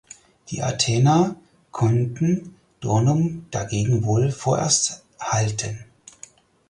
Die Attena konnten Dornum dagegen wohl vorerst halten.